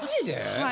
はい。